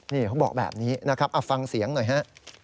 นี่เขาบอกแบบนี้นะครับเอาฟังเสียงหน่อยฮะ